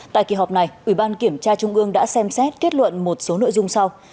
tại kỳ họp này ủy ban kiểm tra trung ương đã xem xét kết luận một số nội dung sau